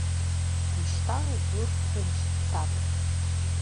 Ушьҭа угәы рҭынч, саб!